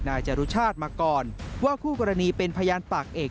นายจรุชาติมาก่อนว่าคู่กรณีเป็นพยานปากเอก